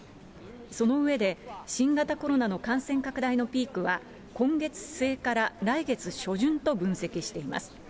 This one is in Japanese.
その上で、新型コロナの感染拡大のピークは、今月末から来月初旬と分析しています。